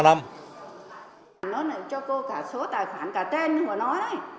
nó lại cho cô cả số tài khoản cả trên của nó đấy